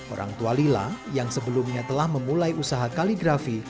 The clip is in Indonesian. orang tua lila yang sebelumnya telah memulai usaha kaligrafi